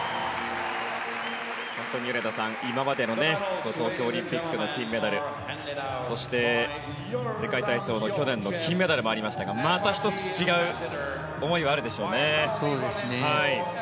本当に米田さん、今までの東京オリンピックの金メダルそして世界体操の去年の金メダルもありましたがまた１つ、違う思いがあるでしょうね。